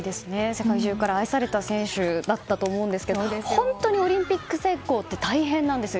世界中から愛された選手だったと思うんですけど本当にオリンピック選考って大変なんですよ。